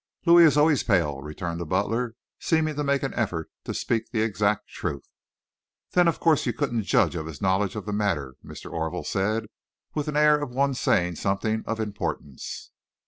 "Louis is always pale," returned the butler, seeming to make an effort to speak the exact truth. "Then of course you couldn't judge of his knowledge of the matter," Mr. Orville said, with an air of one saying something of importance.